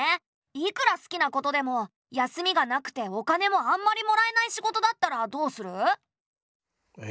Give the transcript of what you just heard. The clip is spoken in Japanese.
いくら好きなことでも休みがなくてお金もあんまりもらえない仕事だったらどうする？え？